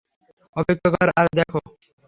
অপেক্ষা কর আর দেখো!